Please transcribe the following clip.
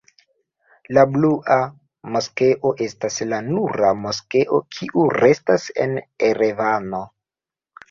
La Blua Moskeo estas la nura moskeo kiu restas en Erevano.